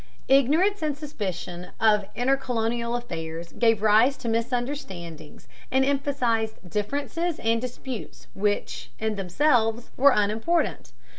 Ignorance and suspicion of intercolonial affairs gave rise to misunderstandings, and emphasized differences and disputes which in themselves were unimportant.